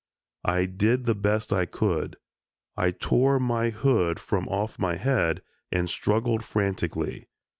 I did the best I could. I tore my hood from off my head and struggled frantically.